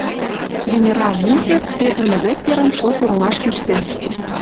Генерал Михельс петырыме Деккерым чот оролаш кӱштен.